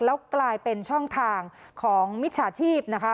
แล้วกลายเป็นช่องทางของมิจฉาชีพนะคะ